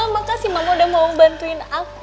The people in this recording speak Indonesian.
makasih mama udah mau bantuin aku